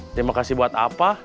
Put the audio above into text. terima kasih buat apa